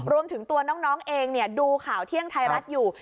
รวมถึงตัวน้องเองดูข่าวเที่ยงไทยรัฐอยู่